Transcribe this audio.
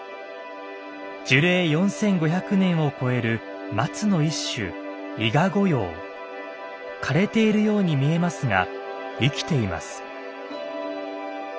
樹齢４，５００年を超える松の一種枯れているように見えますが生きています。